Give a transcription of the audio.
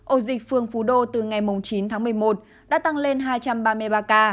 ổ dịch phường phú đô từ ngày chín tháng một mươi một đã tăng lên hai trăm ba mươi ba ca